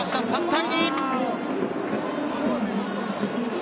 ３対２。